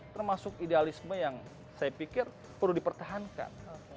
termasuk idealisme yang saya pikir perlu dipertahankan